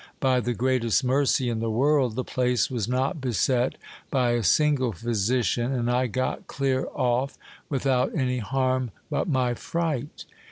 By the greatest mercy in the world, the place was not beset by a single physician, and I got clear off without any harm but my fright.